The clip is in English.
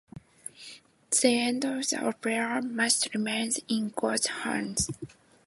The end of the opera must remain in God's hands.